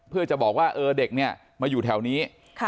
เพื่อจะบอกว่าเด็กเนี่ยมาอยู่แถวนี้